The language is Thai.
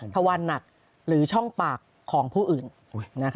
ทวันหนักหรือช่องปากของผู้อื่น